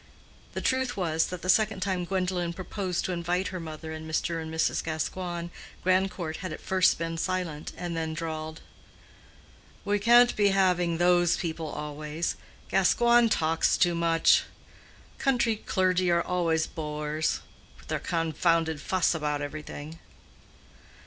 The truth was, that the second time Gwendolen proposed to invite her mother with Mr. and Mrs. Gascoigne, Grandcourt had at first been silent, and then drawled, "We can't be having those people always. Gascoigne talks too much. Country clergy are always bores—with their confounded fuss about everything."